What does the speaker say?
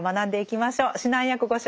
指南役ご紹介します。